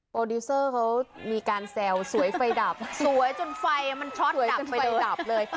ดิวเซอร์เขามีการแซวสวยไฟดับสวยจนไฟมันช็อตดับไฟดับเลย